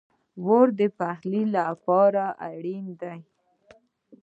اور د پخلی لپاره اړین دی